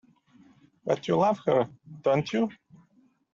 But you love her, don't you?